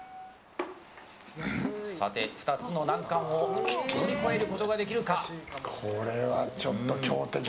２つの難関を乗り越えることができるか。